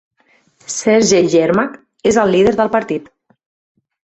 Sergey Yermak és el líder del partit.